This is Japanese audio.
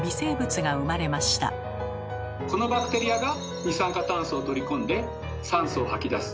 このバクテリアが二酸化炭素を取り込んで酸素を吐き出す。